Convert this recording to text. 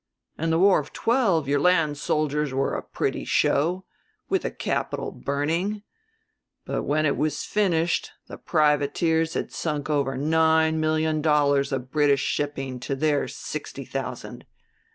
In the war of 'twelve your land soldiers were a pretty show, with the Capitol burning; but when it was finished the privateers had sunk over nine million dollars of British shipping to their sixty thousand.